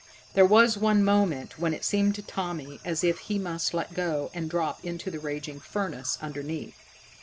There was one moment when it seemed to Tommy as if he must let go, and drop into that raging furnace underneath.